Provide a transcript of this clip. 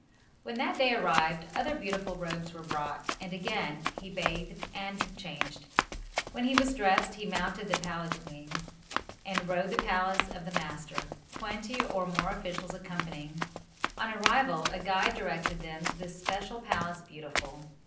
When that day arrived other beautiful robes were brought, and again he bathed and changed. When he was dressed, he mounted the palanquin and rode to the Palace of the master, twenty or more officials accompanying. On arrival, a guide directed them to the special Palace Beautiful.